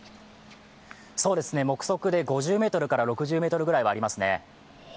目測で５０ｍから６０ｍくらいはありますね。